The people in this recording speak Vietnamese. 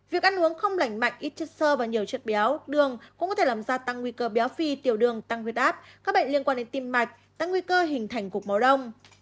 việc ăn uống không lành mạnh ít chất sơ và nhiều chất béo đường cũng có thể làm gia tăng nguy cơ béo phì tiểu đường tăng huyết áp các bệnh liên quan đến tim mạch tăng nguy cơ hình thành cục máu đông